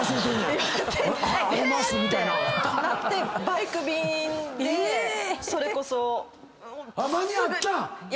バイク便でそれこそ。